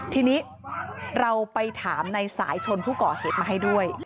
ทีนี้เราไปถามในสายชนผู้ก่อเหตุมาให้ด้วย